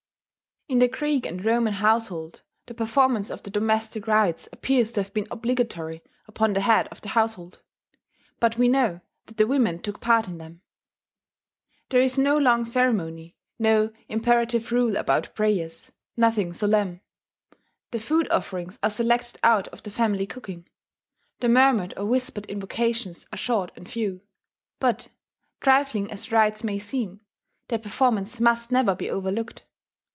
In the Greek and Roman household the performance of the domestic rites appears to have been obligatory upon the head of the household; but we know that the women took part in them. There is no long ceremony, no imperative rule about prayers, nothing solemn: the food offerings are selected out of the family cooking; the murmured or whispered invocations are short and few. But, trifling as the rites may seem, their performance must never be overlooked.